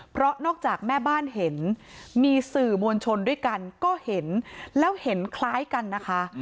เพราะนอกจากแม่บ้านเห็นมีสื่อมวลชนด้วยกันก็เห็นแล้วเห็นคล้ายกันนะคะ